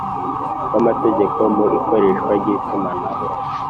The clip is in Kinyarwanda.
rw amategeko mu ikoreshwa ry itumanaho